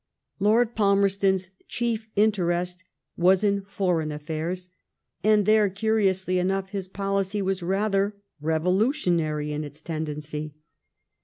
Lord Palmerston s chief inter est was in foreign affairs, and there, curiously enough, his policy was rather revolutionary in its tendency.